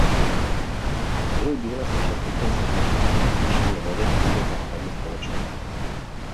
Jeho díla se však také zaměřují na dnešní roli muže v západní společnosti.